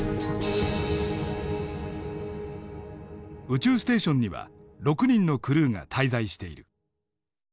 宇宙ステーションには６人のクルーが滞在している。